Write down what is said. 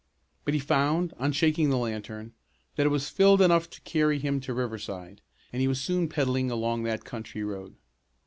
But he found, on shaking the lantern, that it was filled enough to carry him to Riverside, and he was soon pedaling along that country road.